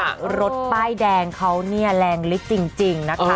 ดร์ดป้ายแดงเขาแรงลิขจริงนะคะ